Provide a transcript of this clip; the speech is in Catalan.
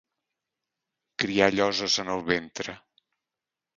Criar lloses en el ventre.